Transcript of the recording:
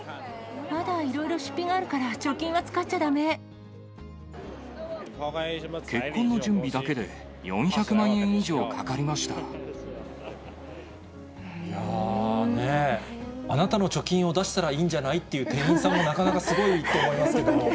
まだいろいろ出費があるから結婚の準備だけで４００万円いやー、ね、あなたの貯金を出したらいいんじゃない？って言う店員さんもなかなかすごいと思いますけども。